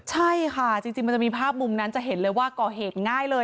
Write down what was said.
ใช่ค่ะจริงมันจะมีภาพมุมนั้นจะเห็นเลยว่าก่อเหตุง่ายเลย